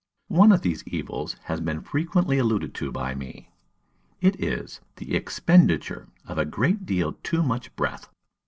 One of these evils has been frequently alluded to by me. It is "the expenditure of a great deal too much breath."